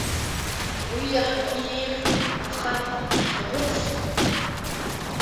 Уи иаҳагьы еиӷьуп, аха Хьрыԥс…